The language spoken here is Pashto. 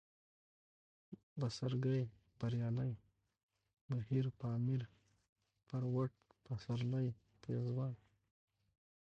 بڅرکى ، بريالی ، بهير ، پامير ، پروټ ، پسرلی ، پېزوان